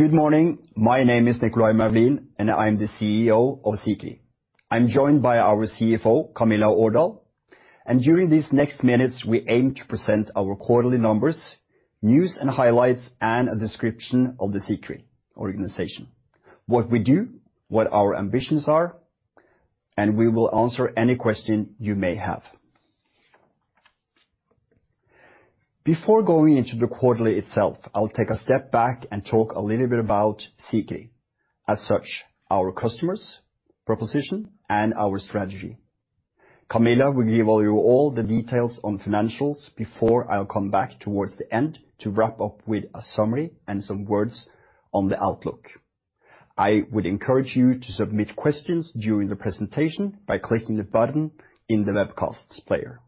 Good morning. My name is Nicolay Moulin, and I'm the CEO of Sikri. I'm joined by our CFO, Camilla Aardal, and during these next minutes, we aim to present our quarterly numbers, news and highlights, and a description of the Sikri organization, what we do, what our ambitions are, and we will answer any question you may have. Before going into the quarterly itself, I'll take a step back and talk a little bit about Sikri. As such, our customers, proposition, and our strategy. Camilla will give all you all the details on financials before I'll come back towards the end to wrap up with a summary and some words on the outlook. I would encourage you to submit questions during the presentation by clicking the button in the webcast player.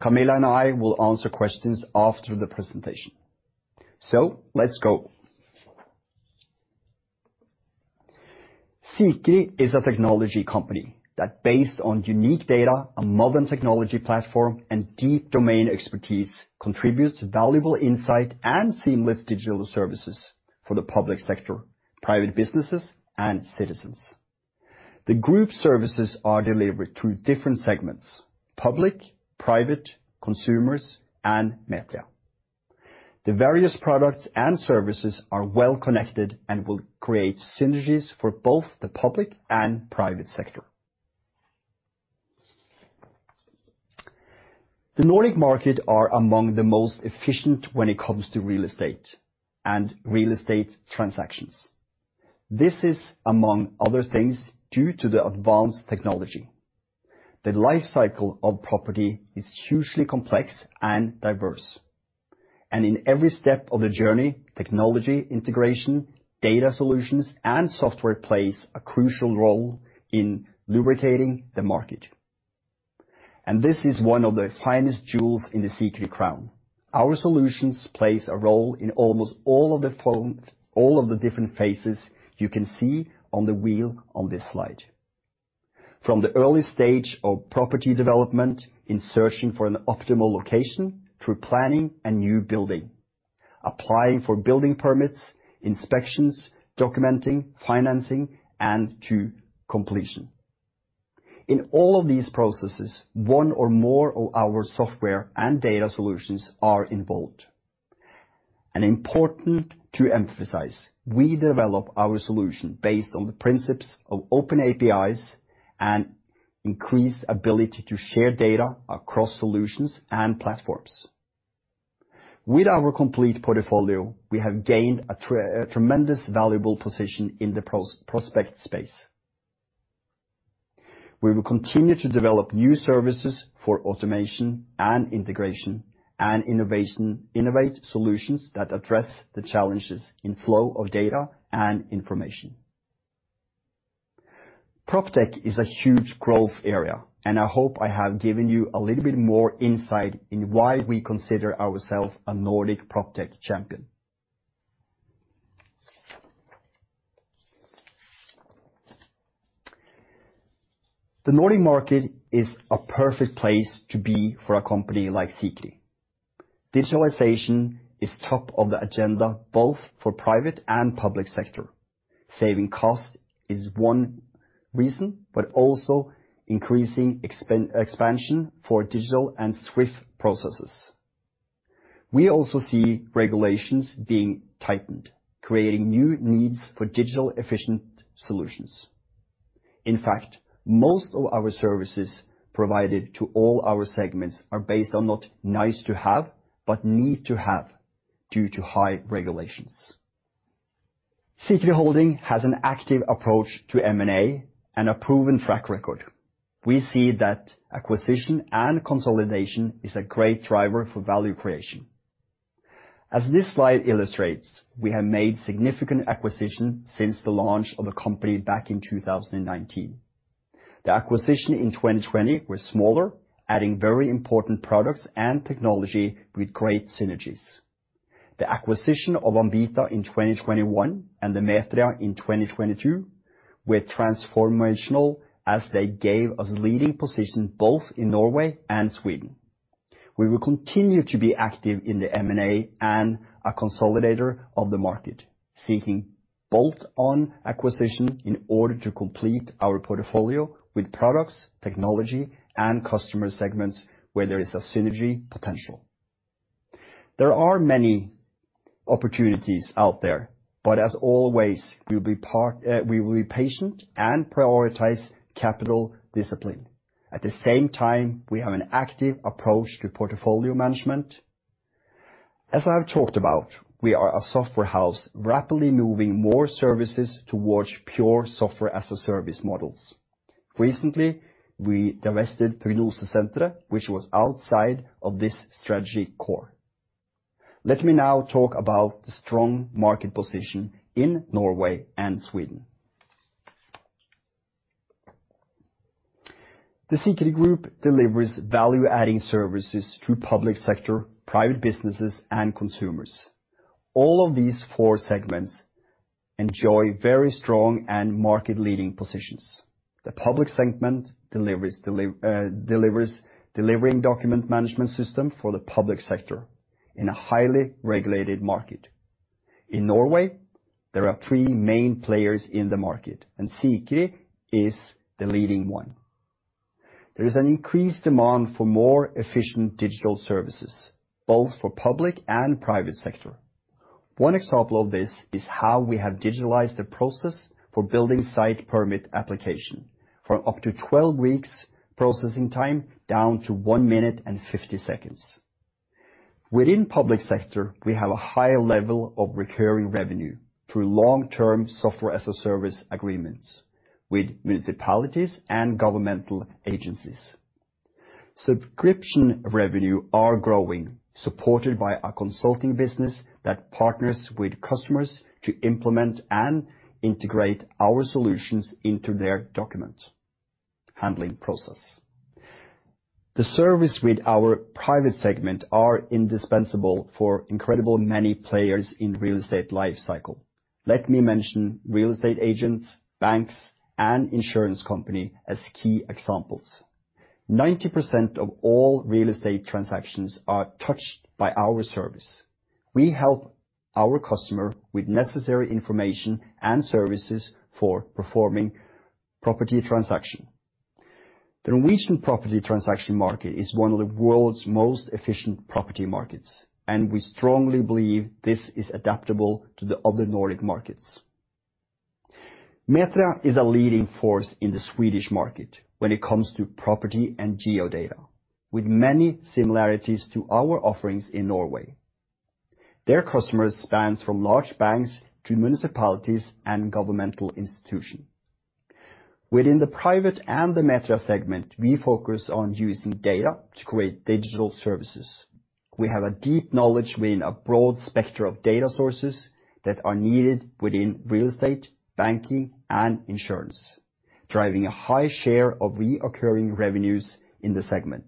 Camilla and I will answer questions after the presentation. Let's go. Sikri is a technology company that based on unique data, a modern technology platform, and deep domain expertise, contributes valuable insight and seamless digital services for the public sector, private businesses, and citizens. The group services are delivered through different segments, public, private, consumers, and Metria. The various products and services are well connected and will create synergies for both the public and private sector. The Nordic market are among the most efficient when it comes to real estate and real estate transactions. This is, among other things, due to the advanced technology. The life cycle of property is hugely complex and diverse. In every step of the journey, technology integration, data solutions, and software plays a crucial role in lubricating the market. This is one of the finest jewels in the Sikri crown. Our solutions plays a role in almost all of the different phases you can see on the wheel on this slide. From the early stage of property development in searching for an optimal location through planning a new building, applying for building permits, inspections, documenting, financing, and to completion. In all of these processes, one or more of our software and data solutions are involved. Important to emphasize, we develop our solution based on the principles of open APIs and increased ability to share data across solutions and platforms. With our complete portfolio, we have gained a tremendous valuable position in the proptech space. We will continue to develop new services for automation and integration, and innovate solutions that address the challenges in flow of data and information. Proptech is a huge growth area, and I hope I have given you a little bit more insight in why we consider ourselves a Nordic proptech champion. The Nordic market is a perfect place to be for a company like Sikri. Digitalization is top of the agenda, both for private and public sector. Saving cost is one reason, but also increasing expansion for digital and swift processes. We also see regulations being tightened, creating new needs for digital efficient solutions. In fact, most of our services provided to all our segments are based on not nice to have, but need to have due to high regulations. Sikri Holding has an active approach to M&A and a proven track record. We see that acquisition and consolidation is a great driver for value creation. As this slide illustrates, we have made significant acquisition since the launch of the company back in 2019. The acquisition in 2020 was smaller, adding very important products and technology with great synergies. The acquisition of Ambita in 2021 and the Metria in 2022 were transformational as they gave us leading position both in Norway and Sweden. We will continue to be active in the M&A and a consolidator of the market, seeking bolt-on acquisition in order to complete our portfolio with products, technology, and customer segments where there is a synergy potential. There are many opportunities out there, but as always, we will be patient and prioritize capital discipline. At the same time, we have an active approach to portfolio management. As I've talked about, we are a software house rapidly moving more services towards pure software as a service models. Recently, we divested Prognosesenteret, which was outside of this strategy core. Let me now talk about the strong market position in Norway and Sweden. The Sikri Group delivers value-adding services to public sector, private businesses, and consumers. All of these four segments enjoy very strong and market-leading positions. The public segment delivers document management system for the public sector in a highly regulated market. In Norway, there are three main players in the market, and Sikri is the leading one. There is an increased demand for more efficient digital services, both for public and private sector. One example of this is how we have digitalized the process for building site permit application from up to 12 weeks processing time down to one minute and 50 seconds. Within public sector, we have a higher level of recurring revenue through long-term software as a service agreements with municipalities and governmental agencies. Subscription revenue are growing, supported by a consulting business that partners with customers to implement and integrate our solutions into their document handling process. The service with our private segment are indispensable for incredible many players in real estate lifecycle. Let me mention real estate agents, banks, and insurance company as key examples. 90% of all real estate transactions are touched by our service. We help our customer with necessary information and services for performing property transaction. The Norwegian property transaction market is one of the world's most efficient property markets, and we strongly believe this is adaptable to the other Nordic markets. Metria is a leading force in the Swedish market when it comes to property and geodata, with many similarities to our offerings in Norway. Their customers span from large banks to municipalities and governmental institutions. Within the private and the Metria segment, we focus on using data to create digital services. We have a deep knowledge in a broad spectrum of data sources that are needed within real estate, banking, and insurance, driving a high share of recurring revenues in the segment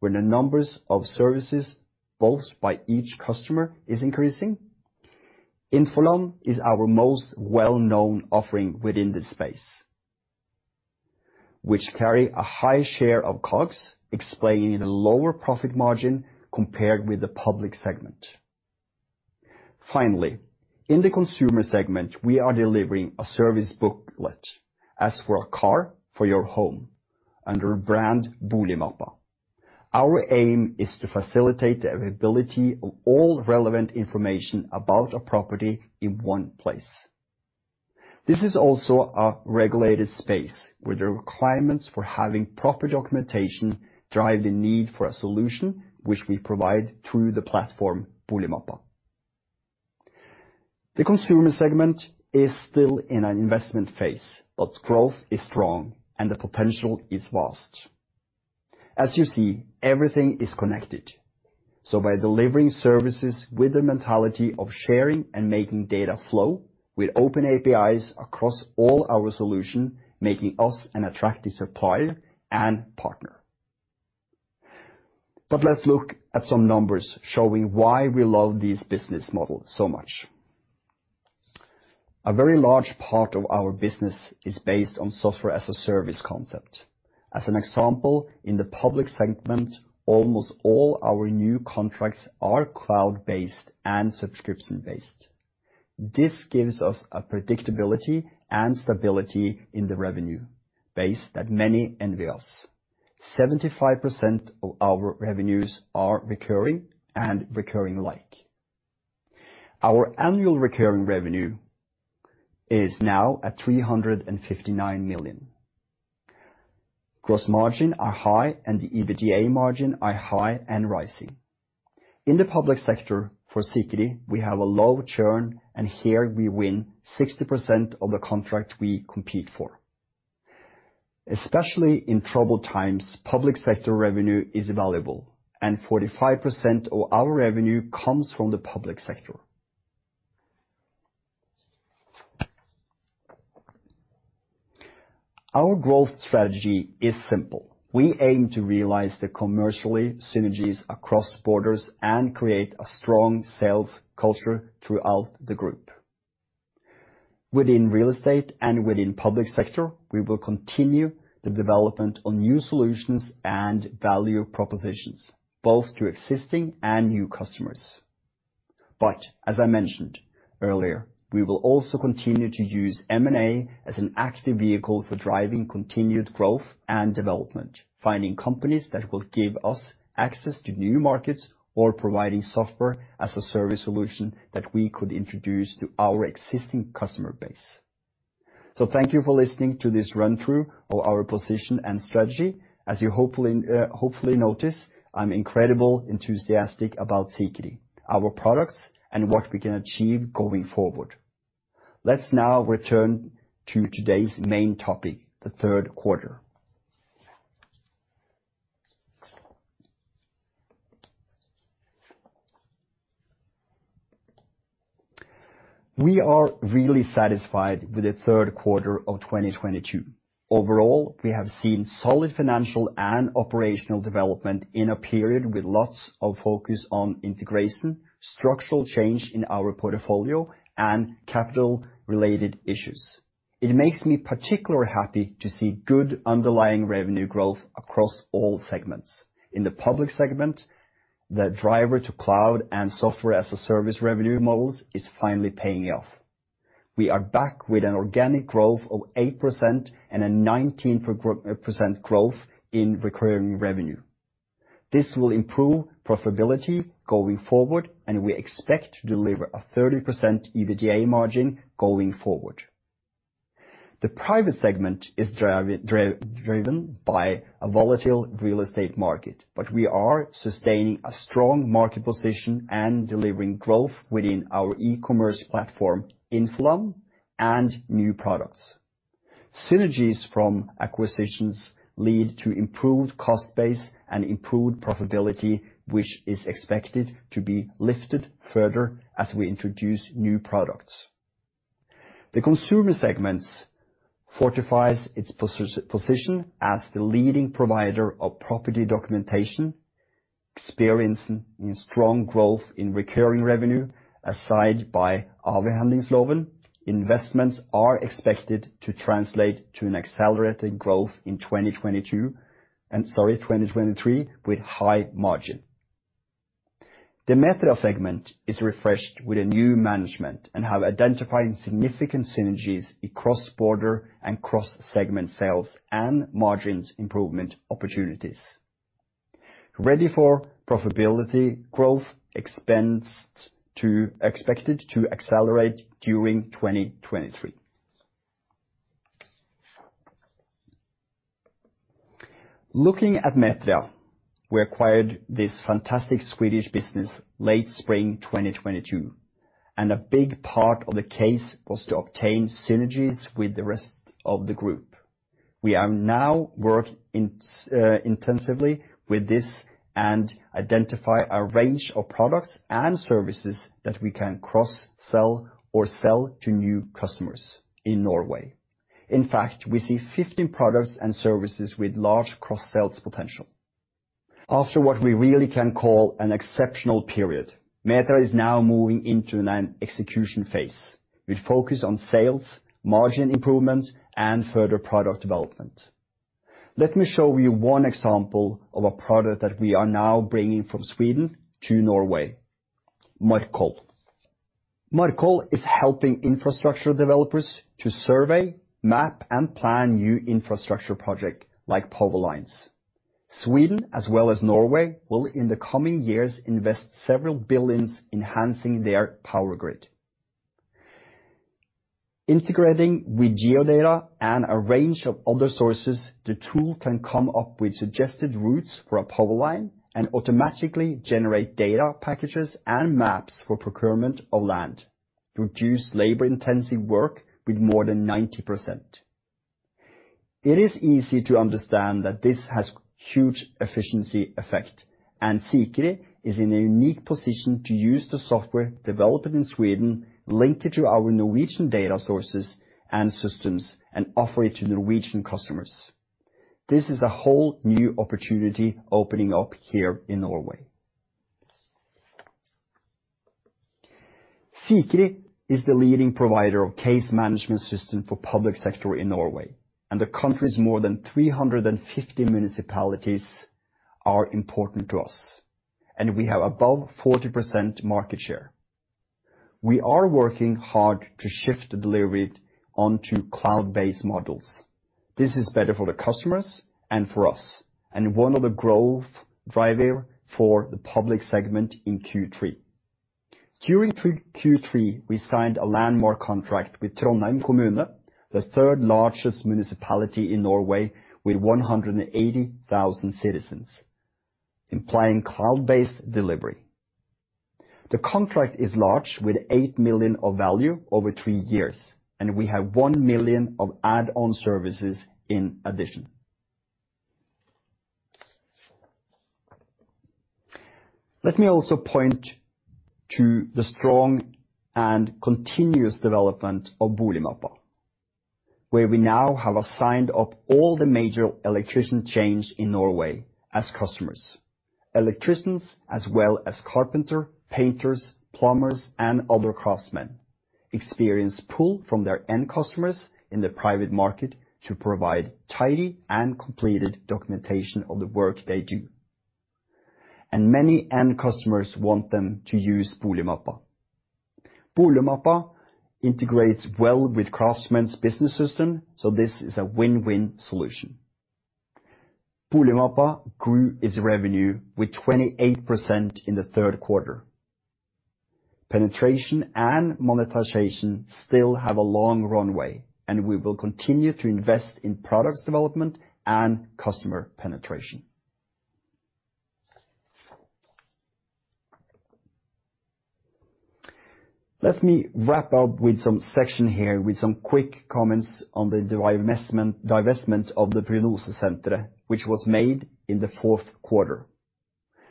when the number of services, bought by each customer, is increasing. Infoland is our most well-known offering within this space, which carries a high share of costs, explaining the lower profit margin compared with the public segment. Finally, in the consumer segment, we are delivering a service booklet, as for a car, for your home, under brand Boligmappa. Our aim is to facilitate the availability of all relevant information about a property in one place. This is also a regulated space where the requirements for having proper documentation drive the need for a solution which we provide through the platform, Boligmappa. The consumer segment is still in an investment phase, but growth is strong and the potential is vast. As you see, everything is connected. By delivering services with the mentality of sharing and making data flow with open APIs across all our solution, making us an attractive supplier and partner. Let's look at some numbers showing why we love this business model so much. A very large part of our business is based on software as a service concept. As an example, in the public segment, almost all our new contracts are cloud-based and subscription-based. This gives us a predictability and stability in the revenue base that many envy us. 75% of our revenues are recurring and recurring-like. Our annual recurring revenue is now at 359 million. Gross margin are high and the EBITDA margin are high and rising. In the public sector for Sikri, we have a low churn, and here we win 60% of the contract we compete for. Especially in troubled times, public sector revenue is valuable, and 45% of our revenue comes from the public sector. Our growth strategy is simple. We aim to realize the commercial synergies across borders and create a strong sales culture throughout the group. Within real estate and within public sector, we will continue the development on new solutions and value propositions, both to existing and new customers. As I mentioned earlier, we will also continue to use M&A as an active vehicle for driving continued growth and development, finding companies that will give us access to new markets or providing software as a service solution that we could introduce to our existing customer base. Thank you for listening to this run-through of our position and strategy. As you hopefully notice, I'm incredibly enthusiastic about Sikri, our products, and what we can achieve going forward. Let's now return to today's main topic, the third quarter. We are really satisfied with the third quarter of 2022. Overall, we have seen solid financial and operational development in a period with lots of focus on integration, structural change in our portfolio, and capital-related issues. It makes me particularly happy to see good underlying revenue growth across all segments. In the public segment, the driver to cloud and software as a service revenue models is finally paying off. We are back with an organic growth of 8% and a 19% growth in recurring revenue. This will improve profitability going forward, and we expect to deliver a 30% EBITDA margin going forward. The private segment is driven by a volatile real estate market, but we are sustaining a strong market position and delivering growth within our e-commerce platform, Infoland, and new products. Synergies from acquisitions lead to improved cost base and improved profitability, which is expected to be lifted further as we introduce new products. The consumer segment fortifies its position as the leading provider of property documentation, experiencing strong growth in recurring revenue, aided by Avhendingsloven. Investments are expected to translate to an accelerated growth in 2023 with high margin. The Metria segment is refreshed with a new management and have identified significant synergies in cross-border and cross-segment sales and margins improvement opportunities. Ready for profitability growth expected to accelerate during 2023. Looking at Metria, we acquired this fantastic Swedish business late spring 2022, and a big part of the case was to obtain synergies with the rest of the group. We are now working intensively with this and identifying a range of products and services that we can cross-sell or sell to new customers in Norway. In fact, we see 15 products and services with large cross-sales potential. After what we really can call an exceptional period, Metria is now moving into an execution phase with focus on sales, margin improvements, and further product development. Let me show you one example of a product that we are now bringing from Sweden to Norway, Markkoll. Markkoll is helping infrastructure developers to survey, map, and plan new infrastructure project like power lines. Sweden as well as Norway will in the coming years invest Norwegian kroner several billions enhancing their power grid. Integrating with geodata and a range of other sources, the tool can come up with suggested routes for a power line and automatically generate data packages and maps for procurement of land, reduce labor-intensive work with more than 90%. It is easy to understand that this has huge efficiency effect. Sikri is in a unique position to use the software developed in Sweden linked to our Norwegian data sources and systems and offer it to Norwegian customers. This is a whole new opportunity opening up here in Norway. Sikri is the leading provider of case management system for public sector in Norway, and the country's more than 350 municipalities are important to us. We have above 40% market share. We are working hard to shift the delivery onto cloud-based models. This is better for the customers and for us, and one of the growth driver for the public segment in Q3. During Q3, we signed a landmark contract with Trondheim Kommune, the third-largest municipality in Norway with 180,000 citizens, implying cloud-based delivery. The contract is large with 8 million of value over three years, and we have 1 million of add-on services in addition. Let me also point to the strong and continuous development of Boligmappa, where we now have signed up all the major electrician chains in Norway as customers. Electricians as well as carpenter, painters, plumbers, and other craftsmen experience pull from their end customers in the private market to provide tidy and completed documentation of the work they do. Many end customers want them to use Boligmappa. Boligmappa integrates well with craftsmen's business system, so this is a win-win solution. Boligmappa grew its revenue with 28% in the third quarter. Penetration and monetization still have a long runway, and we will continue to invest in products development and customer penetration. Let me wrap up with some section here with some quick comments on the divestment of the Prognosesenteret, which was made in the fourth quarter.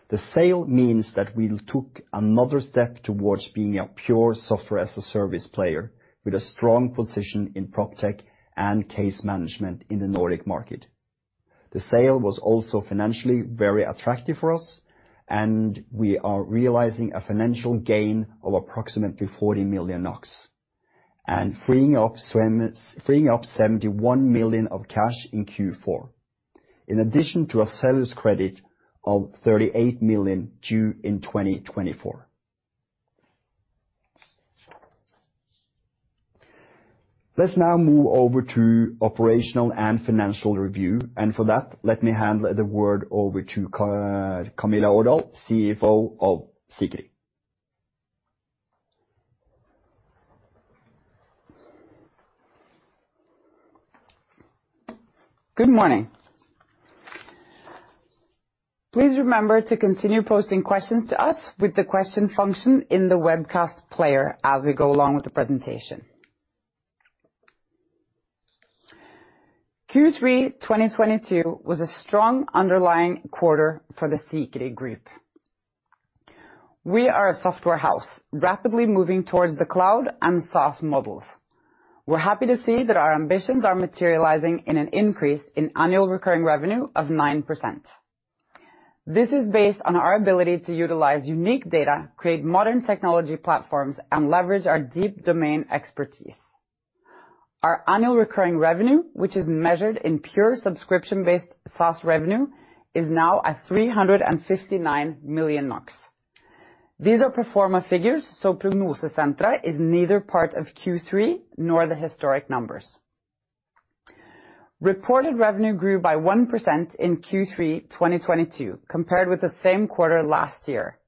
The sale means that we took another step towards being a pure software as a service player with a strong position in PropTech and case management in the Nordic market. The sale was also financially very attractive for us, and we are realizing a financial gain of approximately 40 million NOK and freeing up 71 million of cash in Q4, in addition to a seller's credit of 38 million due in 2024. Let's now move over to operational and financial review. For that, let me hand the word over to Camilla Aardal, CFO of Sikri. Good morning. Please remember to continue posting questions to us with the question function in the webcast player as we go along with the presentation. Q3 2022 was a strong underlying quarter for the Sikri Group. We are a software house rapidly moving towards the cloud and SaaS models. We're happy to see that our ambitions are materializing in an increase in annual recurring revenue of 9%. This is based on our ability to utilize unique data, create modern technology platforms, and leverage our deep domain expertise. Our annual recurring revenue, which is measured in pure subscription-based SaaS revenue, is now at 359 million NOK. These are pro forma figures. Prognosesenteret is neither part of Q3 nor the historic numbers. Reported revenue grew by 1% in Q3 2022, compared with the same quarter last year.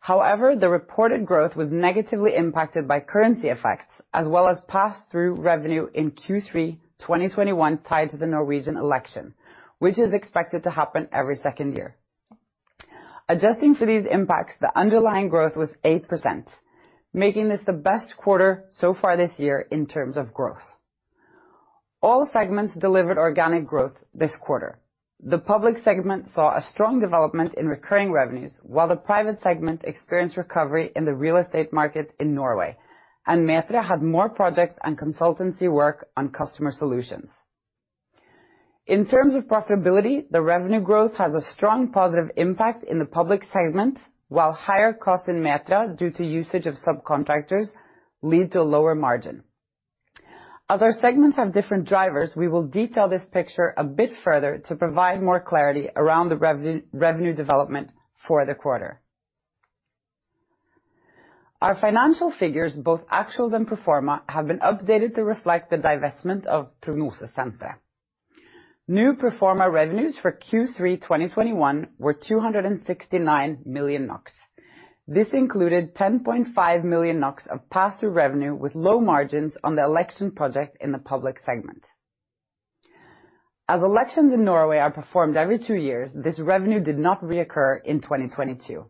However, the reported growth was negatively impacted by currency effects, as well as pass-through revenue in Q3 2021 tied to the Norwegian election, which is expected to happen every second year. Adjusting for these impacts, the underlying growth was 8%, making this the best quarter so far this year in terms of growth. All segments delivered organic growth this quarter. The public segment saw a strong development in recurring revenues, while the private segment experienced recovery in the real estate market in Norway, and Metria had more projects and consultancy work on customer solutions. In terms of profitability, the revenue growth has a strong positive impact in the public segment, while higher costs in Metria due to usage of subcontractors lead to a lower margin. As our segments have different drivers, we will detail this picture a bit further to provide more clarity around the revenue development for the quarter. Our financial figures, both actuals and pro forma, have been updated to reflect the divestment of Prognosesenteret. New pro forma revenues for Q3 2021 were 269 million NOK. This included 10.5 million NOK of pass-through revenue with low margins on the election project in the public segment. As elections in Norway are performed every two years, this revenue did not reoccur in 2022.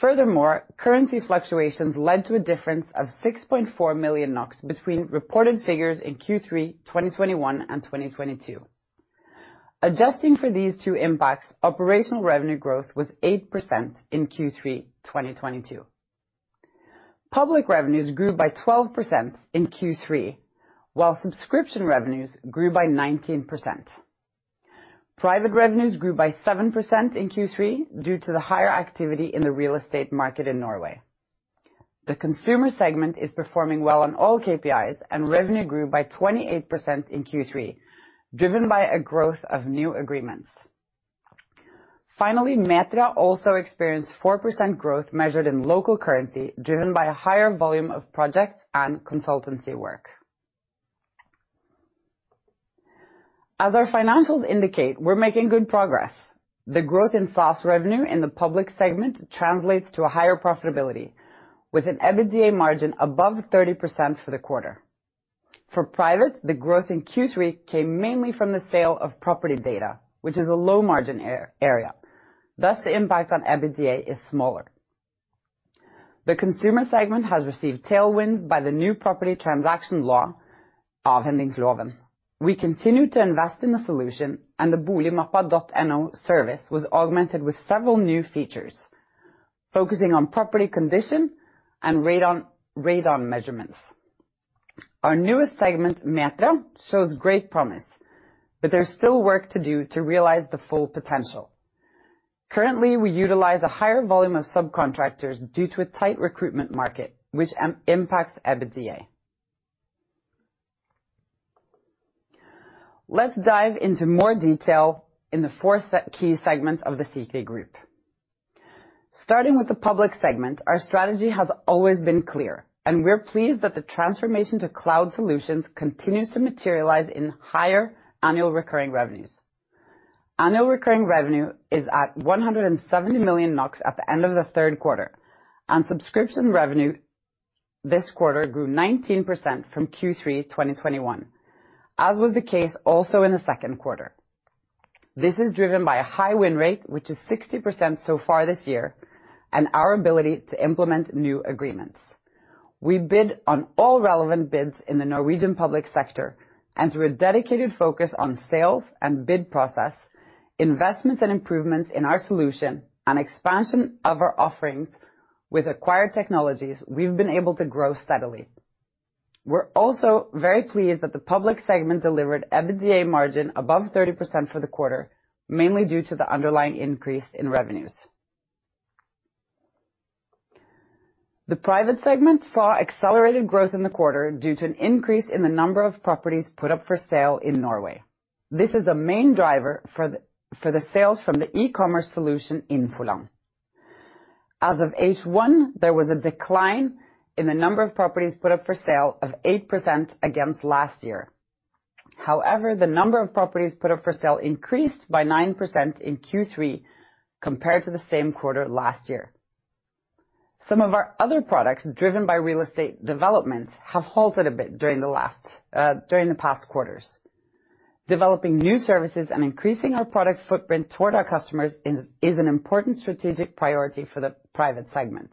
Furthermore, currency fluctuations led to a difference of 6.4 million NOK between reported figures in Q3 2021 and 2022. Adjusting for these two impacts, operational revenue growth was 8% in Q3 2022. Public revenues grew by 12% in Q3, while subscription revenues grew by 19%. Private revenues grew by 7% in Q3 due to the higher activity in the real estate market in Norway. The consumer segment is performing well on all KPIs, and revenue grew by 28% in Q3, driven by a growth of new agreements. Finally, Metria also experienced 4% growth measured in local currency, driven by a higher volume of projects and consultancy work. As our financials indicate, we're making good progress. The growth in SaaS revenue in the public segment translates to a higher profitability with an EBITDA margin above 30% for the quarter. For private, the growth in Q3 came mainly from the sale of property data, which is a low margin area. Thus, the impact on EBITDA is smaller. The consumer segment has received tailwinds by the new property transaction law, Avhendingsloven. We continue to invest in the solution and the Boligmappa.no service was augmented with several new features focusing on property condition and radon measurements. Our newest segment, Metria, shows great promise, but there's still work to do to realize the full potential. Currently, we utilize a higher volume of subcontractors due to a tight recruitment market which impacts EBITDA. Let's dive into more detail in the four key segments of the Sikri Group. Starting with the public segment, our strategy has always been clear, and we're pleased that the transformation to cloud solutions continues to materialize in higher annual recurring revenues. Annual recurring revenue is at 170 million NOK at the end of the third quarter, and subscription revenue this quarter grew 19% from Q3 2021, as was the case also in the second quarter. This is driven by a high win rate, which is 60% so far this year, and our ability to implement new agreements. We bid on all relevant bids in the Norwegian public sector and through a dedicated focus on sales and bid process, investments and improvements in our solution and expansion of our offerings with acquired technologies, we've been able to grow steadily. We're also very pleased that the public segment delivered EBITDA margin above 30% for the quarter, mainly due to the underlying increase in revenues. The private segment saw accelerated growth in the quarter due to an increase in the number of properties put up for sale in Norway. This is a main driver for the sales from the e-commerce solution Infoland. As of H1, there was a decline in the number of properties put up for sale of 8% against last year. However, the number of properties put up for sale increased by 9% in Q3 compared to the same quarter last year. Some of our other products driven by real estate developments have halted a bit during the past quarters. Developing new services and increasing our product footprint toward our customers is an important strategic priority for the private segment.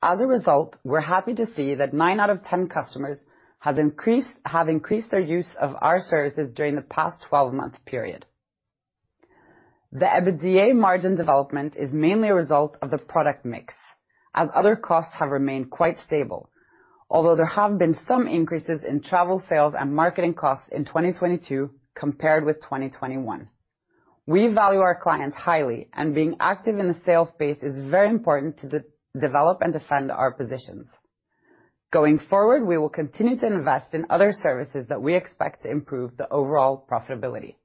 As a result, we're happy to see that nine out of 10 customers have increased their use of our services during the past 12-month period. The EBITDA margin development is mainly a result of the product mix, as other costs have remained quite stable. Although there have been some increases in travel, sales, and marketing costs in 2022 compared with 2021, we value our clients highly, and being active in the sales space is very important to develop and defend our positions. Going forward, we will continue to invest in other services that we expect to improve the overall profitability.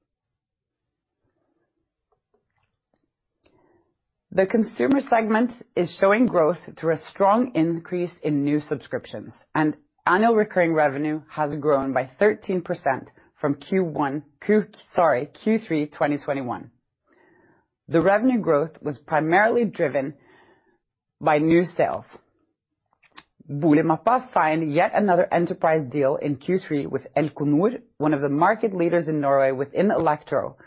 The consumer segment is showing growth through a strong increase in new subscriptions. Annual recurring revenue has grown by 13% from Q3 2021. The revenue growth was primarily driven by new sales. Boligmappa signed yet another enterprise deal in Q3 with Elkonor, one of the market leaders in Norway within electro.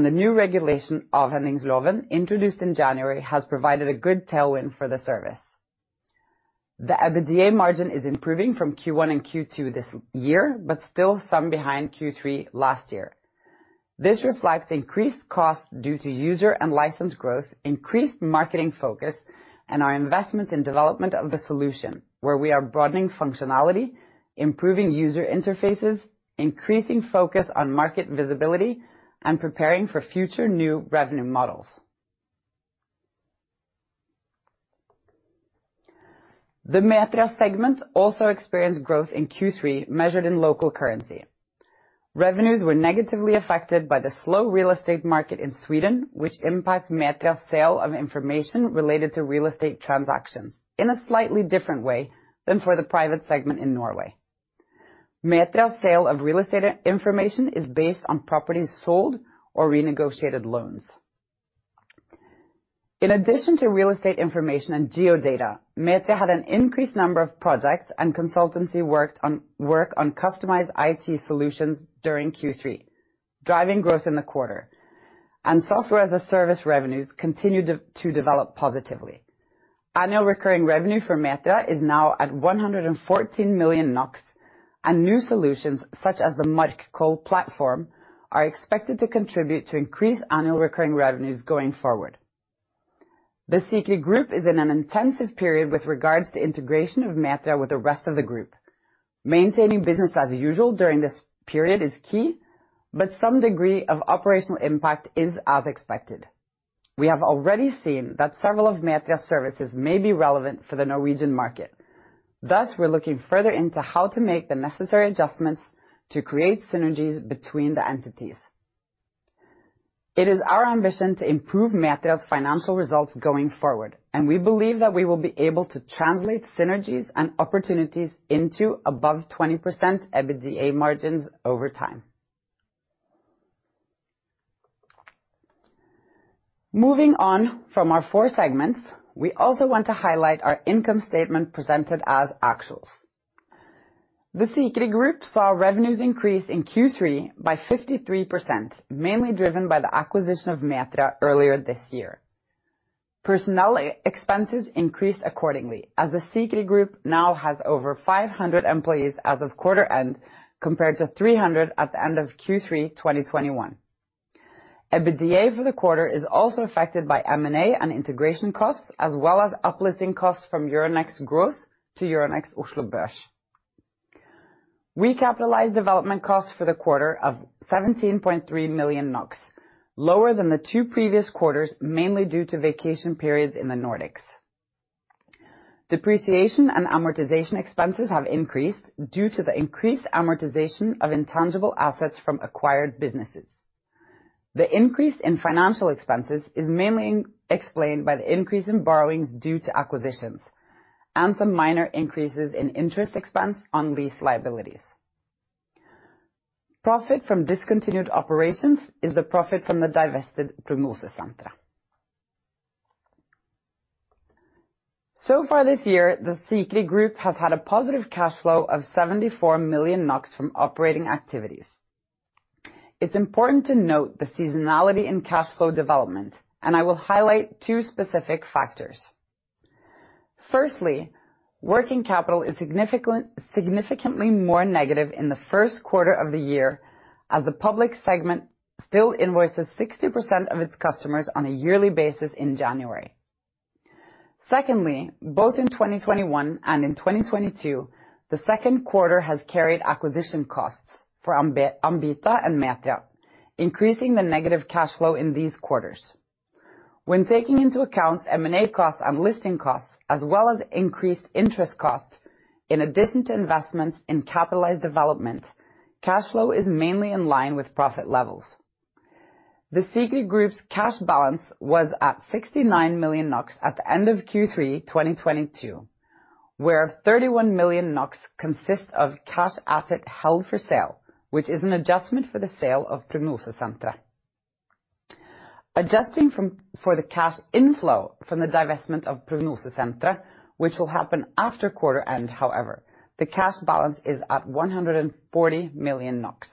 The new regulation Avhendingsloven introduced in January has provided a good tailwind for the service. The EBITDA margin is improving from Q1 and Q2 this year, but still some behind Q3 last year. This reflects increased costs due to user and license growth, increased marketing focus, and our investment in development of the solution, where we are broadening functionality, improving user interfaces, increasing focus on market visibility, and preparing for future new revenue models. The Metria segment also experienced growth in Q3, measured in local currency. Revenues were negatively affected by the slow real estate market in Sweden, which impacts Metria's sale of information related to real estate transactions in a slightly different way than for the private segment in Norway. Metria's sale of real estate information is based on properties sold or renegotiated loans. In addition to real estate information and geodata, Metria had an increased number of projects and consultancy work on customized IT solutions during Q3, driving growth in the quarter, and software as a service revenues continued to develop positively. Annual recurring revenue for Metria is now at 114 million NOK, and new solutions such as the Markkoll platform are expected to contribute to increased annual recurring revenues going forward. The Sikri Group is in an intensive period with regards to integration of Metria with the rest of the group. Maintaining business as usual during this period is key, but some degree of operational impact is as expected. We have already seen that several of Metria's services may be relevant for the Norwegian market. Thus, we're looking further into how to make the necessary adjustments to create synergies between the entities. It is our ambition to improve Metria's financial results going forward, and we believe that we will be able to translate synergies and opportunities into above 20% EBITDA margins over time. Moving on from our four segments, we also want to highlight our income statement presented as actuals. The Sikri Group saw revenues increase in Q3 by 53%, mainly driven by the acquisition of Metria earlier this year. Personnel expenses increased accordingly as the Sikri Group now has over 500 employees as of quarter end compared to 300 at the end of Q3 2021. EBITDA for the quarter is also affected by M&A and integration costs, as well as uplisting costs from Euronext Growth to Euronext Oslo Børs. We capitalize development costs for the quarter of 17.3 million NOK, lower than the two previous quarters, mainly due to vacation periods in the Nordics. Depreciation and amortization expenses have increased due to the increased amortization of intangible assets from acquired businesses. The increase in financial expenses is mainly explained by the increase in borrowings due to acquisitions and some minor increases in interest expense on lease liabilities. Profit from discontinued operations is the profit from the divested Prognosesenteret. So far this year, the Sikri Group have had a positive cash flow of 74 million NOK from operating activities. It's important to note the seasonality in cash flow development, and I will highlight two specific factors. Firstly, working capital is significantly more negative in the first quarter of the year as the public segment still invoices 60% of its customers on a yearly basis in January. Secondly, both in 2021 and in 2022, the second quarter has carried acquisition costs for Ambita and Metria, increasing the negative cash flow in these quarters. When taking into account M&A costs and listing costs as well as increased interest costs in addition to investments in capitalized development, cash flow is mainly in line with profit levels. The Sikri Group's cash balance was at 69 million NOK at the end of Q3 2022, where 31 million NOK consist of cash asset held for sale, which is an adjustment for the sale of Prognosesenteret. Adjusting for the cash inflow from the divestment of Prognosesenteret, which will happen after quarter end, however, the cash balance is at 140 million NOK.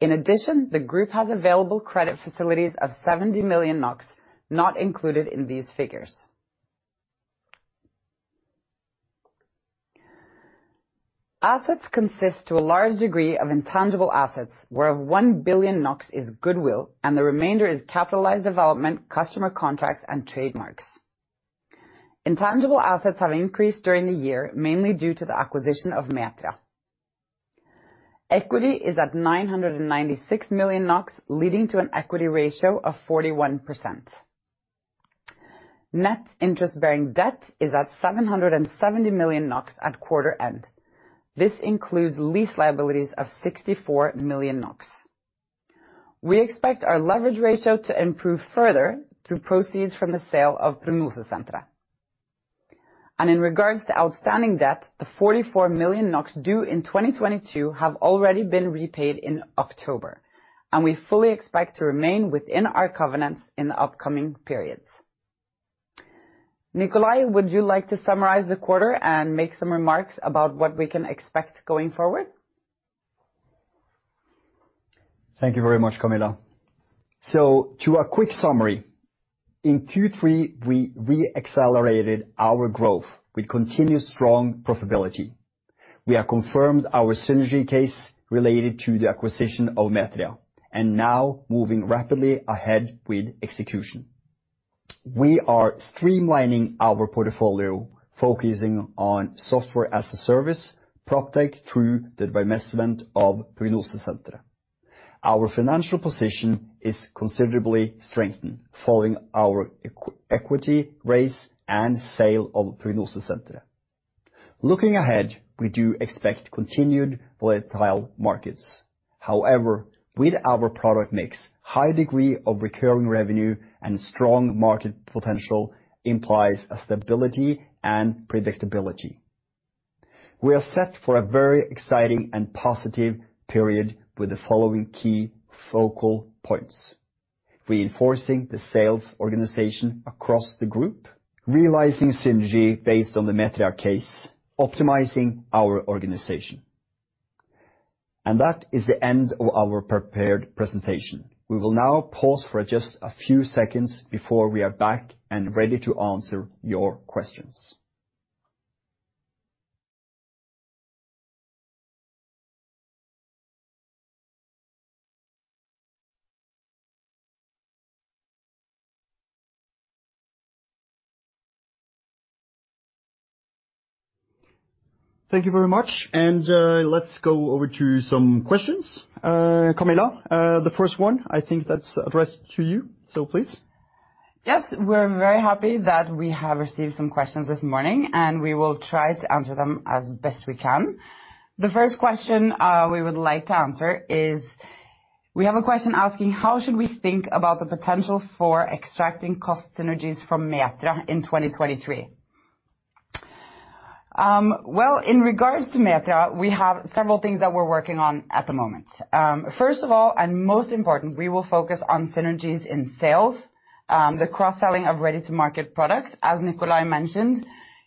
In addition, the group has available credit facilities of 70 million NOK not included in these figures. Assets consist to a large degree of intangible assets, where 1 billion NOK is goodwill, and the remainder is capitalized development, customer contracts and trademarks. Intangible assets have increased during the year, mainly due to the acquisition of Metria. Equity is at 996 million NOK, leading to an equity ratio of 41%. Net interest-bearing debt is at 770 million NOK at quarter end. This includes lease liabilities of 64 million NOK. We expect our leverage ratio to improve further through proceeds from the sale of Prognosesenteret. In regards to outstanding debt, the 44 million NOK due in 2022 have already been repaid in October, and we fully expect to remain within our covenants in the upcoming periods. Nicolay, would you like to summarize the quarter and make some remarks about what we can expect going forward? Thank you very much, Camilla. To a quick summary. In Q3, we re-accelerated our growth with continuous strong profitability. We have confirmed our synergy case related to the acquisition of Metria, and now moving rapidly ahead with execution. We are streamlining our portfolio, focusing on software as a service, proptech through the divestment of Prognosesenteret. Our financial position is considerably strengthened following our equity raise and sale of Prognosesenteret. Looking ahead, we do expect continued volatile markets. However, with our product mix, high degree of recurring revenue and strong market potential implies a stability and predictability. We are set for a very exciting and positive period with the following key focal points. Reinforcing the sales organization across the group, realizing synergy based on the Metria case, optimizing our organization. That is the end of our prepared presentation. We will now pause for just a few seconds before we are back and ready to answer your questions. Thank you very much, and let's go over to some questions. Camilla, the first one, I think that's addressed to you, so please. Yes, we're very happy that we have received some questions this morning, and we will try to answer them as best we can. The first question we would like to answer is, we have a question asking, how should we think about the potential for extracting cost synergies from Metria in 2023? Well, in regards to Metria, we have several things that we're working on at the moment. First of all, and most important, we will focus on synergies in sales, the cross-selling of ready-to-market products. As Nicolay mentioned,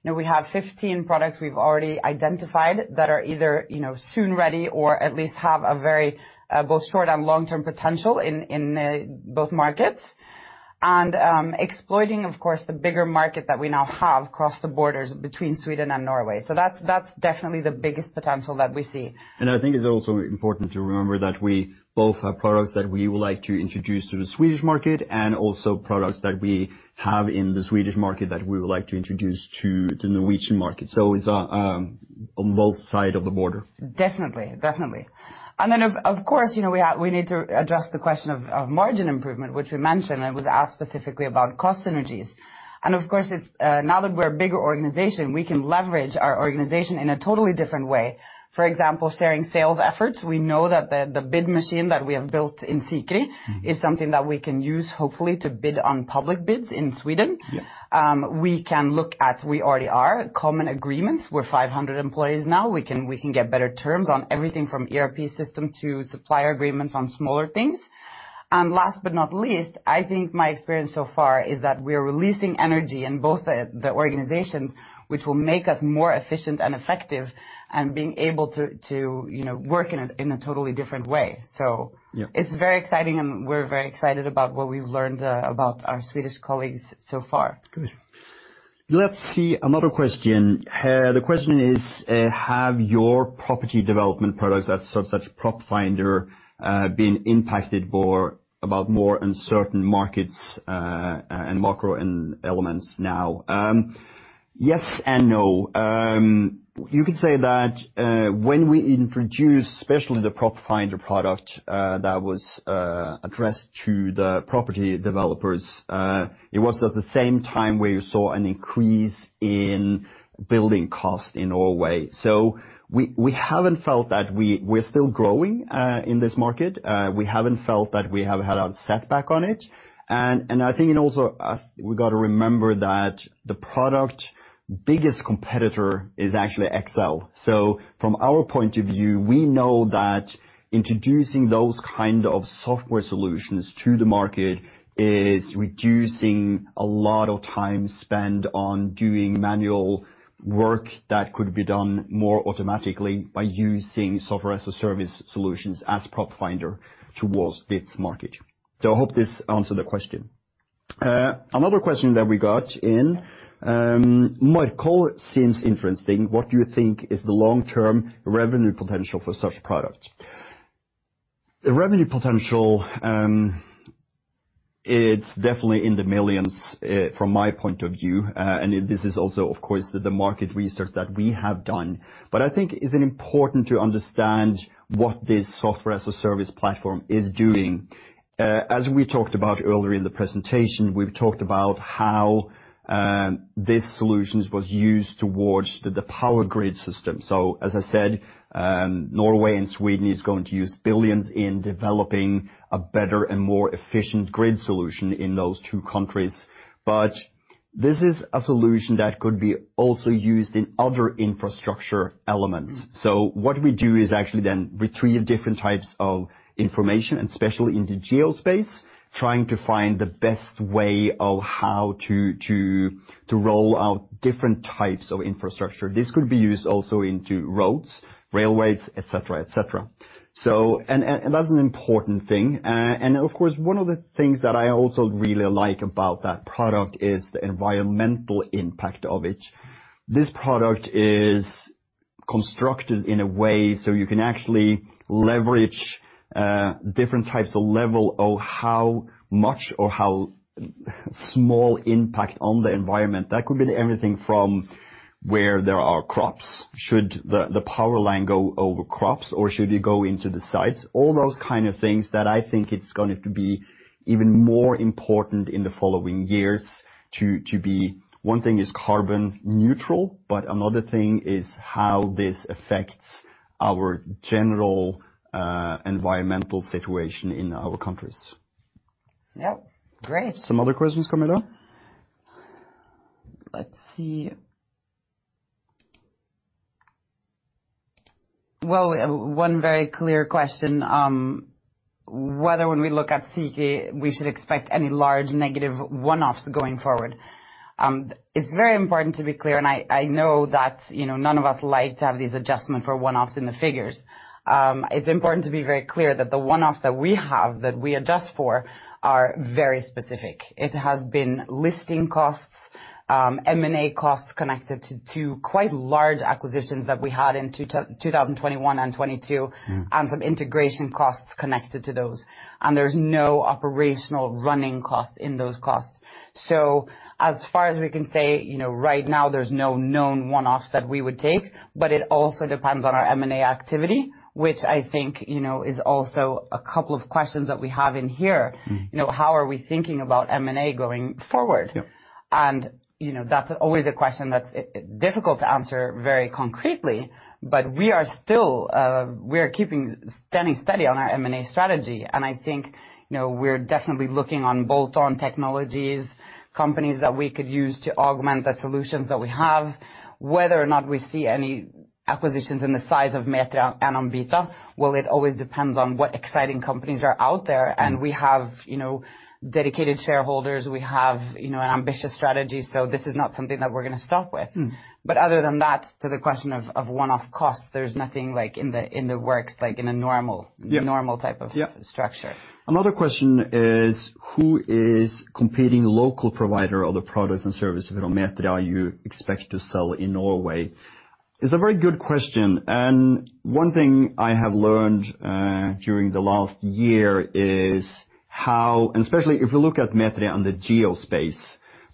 you know, we have 15 products we've already identified that are either, you know, soon ready or at least have a very both short and long-term potential in both markets. Exploiting, of course, the bigger market that we now have across the borders between Sweden and Norway. That's definitely the biggest potential that we see. I think it's also important to remember that we both have products that we would like to introduce to the Swedish market and also products that we have in the Swedish market that we would like to introduce to the Norwegian market. It's on both side of the border. Definitely. Of course, you know, we need to address the question of margin improvement, which we mentioned and was asked specifically about cost synergies. Of course, it's now that we're a bigger organization, we can leverage our organization in a totally different way. For example, sharing sales efforts. We know that the bid machine that we have built in Sikri is something that we can use hopefully to bid on public bids in Sweden. Yeah. We already are common agreements. We're 500 employees now. We can get better terms on everything from ERP system to supplier agreements on smaller things. Last but not least, I think my experience so far is that we're releasing energy in both the organizations which will make us more efficient and effective and being able to, you know, work in a totally different way. Yeah. It's very exciting, and we're very excited about what we've learned, uh, about our Swedish colleagues so far. Good. Let's see another question. The question is, have your property development products such PropFinder been impacted more about more uncertain markets and macro elements now? Yes and no. You could say that when we introduced especially the PropFinder product, that was addressed to the property developers, it was at the same time where you saw an increase in building cost in Norway. We're still growing in this market. We haven't felt that we have had a setback on it. We gotta remember that the product biggest competitor is actually Excel. From our point of view, we know that introducing those kind of software solutions to the market is reducing a lot of time spent on doing manual work that could be done more automatically by using software as a service solutions as PropFinder towards this market. I hope this answered the question. Another question that we got in, Markkoll, seems interesting. What do you think is the long-term revenue potential for such product? The revenue potential, it's definitely in the Norwegian kroner millions, from my point of view, and this is also, of course, the market research that we have done. I think is it important to understand what this software as a service platform is doing. As we talked about earlier in the presentation, we've talked about how these solutions was used towards the power grid system. As I said, Norway and Sweden is going to use billions in developing a better and more efficient grid solution in those two countries. This is a solution that could be also used in other infrastructure elements. What we do is actually then retrieve different types of information, and especially in the geospace, trying to find the best way of how to roll out different types of infrastructure. This could be used also into roads, railways, et cetera, et cetera. That's an important thing. Of course, one of the things that I also really like about that product is the environmental impact of it. This product is constructed in a way so you can actually leverage different types of level of how much or how small impact on the environment. That could be anything from where there are crops. Should the power line go over crops or should it go into the sites? All those kind of things that I think it's going to be even more important in the following years, one thing is carbon neutral, but another thing is how this affects our general environmental situation in our countries. Yeah. Great. Some other questions coming up? Let's see. Well, one very clear question, whether when we look at Sikri, we should expect any large negative one-offs going forward. It's very important to be clear, and I know that, you know, none of us like to have these adjustment for one-offs in the figures. It's important to be very clear that the one-offs that we have, that we adjust for are very specific. It has been listing costs, M&A costs connected to quite large acquisitions that we had in 2021 and 2022. Mm. Some integration costs connected to those. There's no operational running cost in those costs. As far as we can say, you know, right now there's no known one-offs that we would take, but it also depends on our M&A activity, which I think, you know, is also a couple of questions that we have in here. Mm. You know, how are we thinking about M&A going forward? Yeah. You know, that's always a question that's difficult to answer very concretely, but we are keeping standing steady on our M&A strategy, and I think, you know, we're definitely looking on bolt-on technologies, companies that we could use to augment the solutions that we have. Whether or not we see any acquisitions in the size of Metria and Ambita, well, it always depends on what exciting companies are out there. We have, you know, dedicated shareholders. We have, you know, ambitious strategies, so this is not something that we're gonna stop with. Mm. Other than that, to the question of one-off costs, there's nothing like in the works. Yeah. Normal type of. Yeah. -structure. Another question is, who is competing local provider of the products and services from Metria you expect to sell in Norway? It's a very good question, and one thing I have learned during the last year is how, and especially if you look at Metria and the geospace.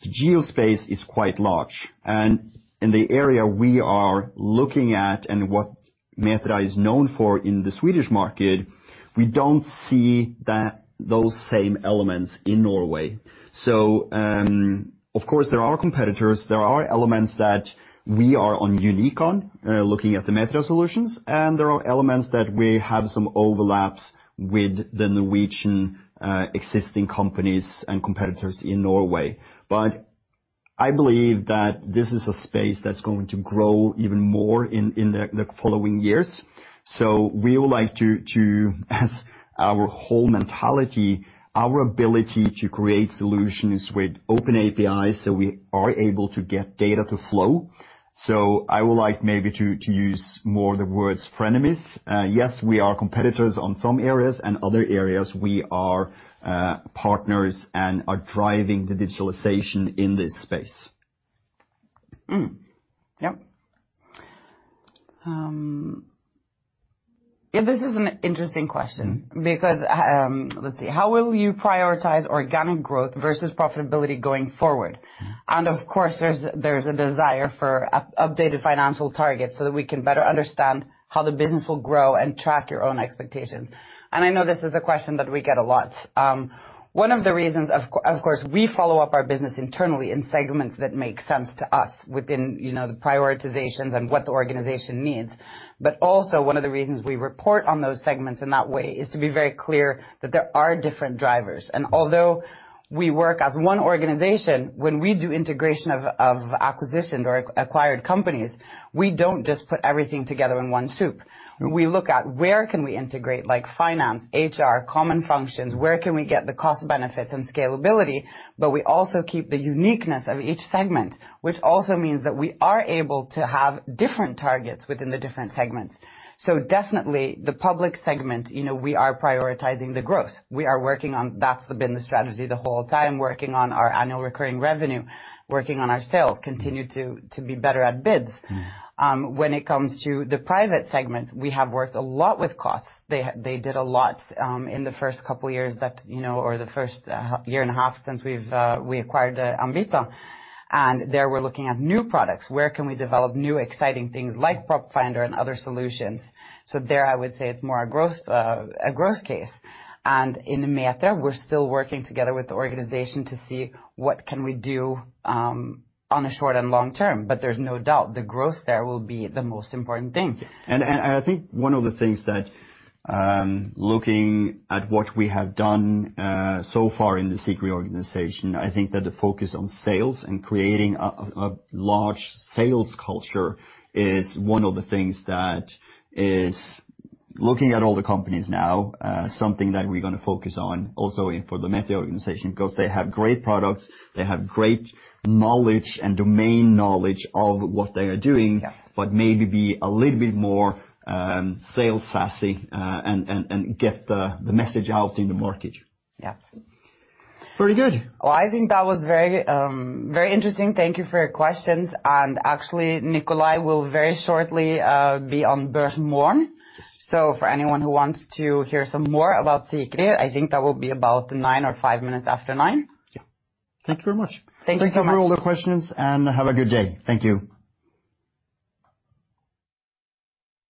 The geospace is quite large, and in the area we are looking at and what Metria is known for in the Swedish market, we don't see those same elements in Norway. Of course, there are competitors, there are elements that we are unique on looking at the Metria solutions, and there are elements that we have some overlaps with the Norwegian existing companies and competitors in Norway. I believe that this is a space that's going to grow even more in the following years. We would like, as our whole mentality, our ability to create solutions with open APIs, so we are able to get data to flow. I would like maybe to use more the words frenemies. Yes, we are competitors on some areas, and other areas we are partners and are driving the digitalization in this space. Yeah, this is an interesting question because let's see. How will you prioritize organic growth versus profitability going forward? Of course, there's a desire for updated financial targets so that we can better understand how the business will grow and track your own expectations. I know this is a question that we get a lot. One of the reasons, of course, we follow up our business internally in segments that make sense to us within, you know, the prioritizations and what the organization needs. Also one of the reasons we report on those segments in that way is to be very clear that there are different drivers. Although we work as one organization, when we do integration of acquisitions or acquired companies, we don't just put everything together in one soup. We look at where can we integrate, like finance, HR, common functions, where can we get the cost benefits and scalability, but we also keep the uniqueness of each segment, which also means that we are able to have different targets within the different segments. Definitely the public segment, you know, we are prioritizing the growth. That's been the strategy the whole time, working on our annual recurring revenue, working on our sales, continue to be better at bids. When it comes to the private segment, we have worked a lot with costs. They did a lot in the first couple of years that, you know, or the first year and a half since we acquired Ambita. There we're looking at new products. Where can we develop new exciting things like PropFinder and other solutions? There I would say it's more a growth case. In Metria, we're still working together with the organization to see what can we do on a short and long term. There's no doubt the growth there will be the most important thing. And, and I think one of the things that, um, looking at what we have done, uh, so far in the Sikri organization, I think that the focus on sales and creating a, a large sales culture is one of the things that is, looking at all the companies now, uh, something that we're gonna focus on also for the Metria organization, 'cause they have great products, they have great knowledge and domain knowledge of what they are doing- Yes. Maybe be a little bit more salesy and get the message out in the market. Yes. Very good. Well, I think that was very interesting. Thank you for your questions. Actually, Nicolay will very shortly be on Børsmorgen. Yes. For anyone who wants to hear some more about Sikri, I think that will be about 9:00 A.M. or five minutes after 9:00 A.M. Yeah. Thank you very much. Thank you so much. Thanks for all the questions, and have a good day. Thank you.